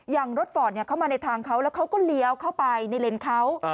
อย่างรถฟอร์ดเข้ามาในทางเขาแล้วเขาก็เลี้ยวเข้าไปในเลนเขา